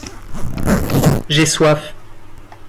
J’ai soif.